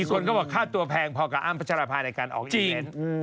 มีคนก็บอกข้าตัวแพงพอกับอ้ามปัจจรภาในการออกอีเมน